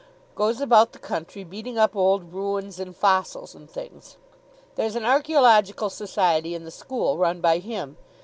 Goes about the country beating up old ruins and fossils and things. There's an Archaeological Society in the school, run by him.